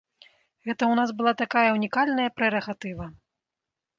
Гэта ў нас была такая ўнікальная прэрагатыва.